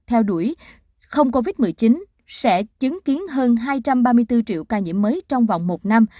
theo đuổi không covid một mươi chín sẽ chứng kiến hơn hai trăm ba mươi bốn triệu ca nhiễm mới trong vòng một năm